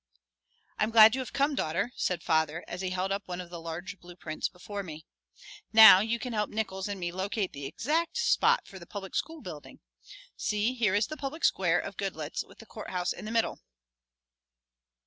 "I'm glad you have come, daughter," said father, as he held up one of the large blue prints before me. "Now you can help Nickols and me locate the exact spot for the public school building. See, here is the public square of Goodloets, with the courthouse in the middle."